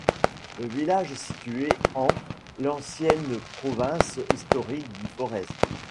Le village est situé ans l'ancienne province historique du Forez.